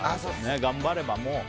頑張ればもう。